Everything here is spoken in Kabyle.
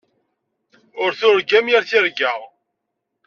Ur turgam yir tirga.